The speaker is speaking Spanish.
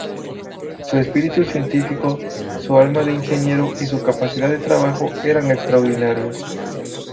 Su espíritu científico, su alma de ingeniero y su capacidad de trabajo eran extraordinarios.